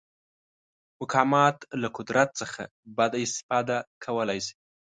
مقامات له قدرت څخه بده استفاده کولی شي.